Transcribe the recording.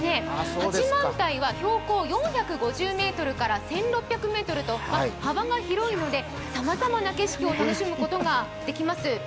八幡平は標高４５６ｍから１６００ｍと、幅が広いのでさまざまな景色を楽しむことができます。